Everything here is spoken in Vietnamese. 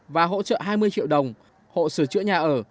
và hỗ trợ hai mươi triệu đồng hộ sửa chữa nhà ở